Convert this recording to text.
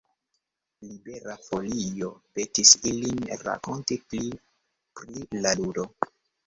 Libera Folio petis ilin rakonti pli pri la ludo.